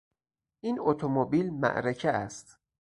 این اتومبیل معرکه است.